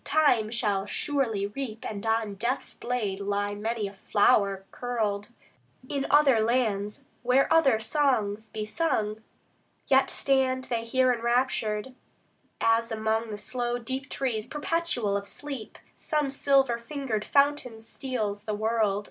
Time shall surely reap, And on Death's blade lie many a flower curled, In other lands where other songs be sung; Yet stand They here enraptured, as among The slow deep trees perpetual of sleep Some silver fingered fountain steals the world.